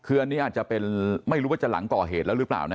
คืออันนี้อาจจะเป็นไม่รู้ว่าจะหลังก่อเหตุแล้วหรือเปล่านะ